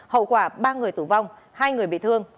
hậu quả ba người tử vong hai người bị thương